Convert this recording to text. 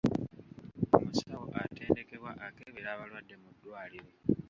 Omusawo atendekebwa akebera abalwadde mu ddwaliro.